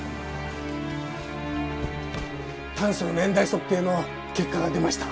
炭素年代測定の結果が出ました。